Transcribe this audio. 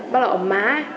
bắt đầu ở má